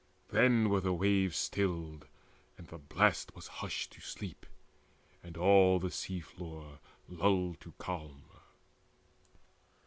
Then were the waves stilled, and the blast was hushed To sleep, and all the sea flood lulled to calm.